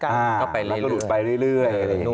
ก็ไปแล้วก็หลุดไปเรื่อยอะไรอย่างนี้